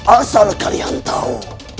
asal kalian tahu